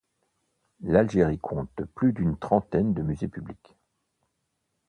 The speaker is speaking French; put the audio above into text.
L’Algérie compte plus d’une trentaine de musées publics.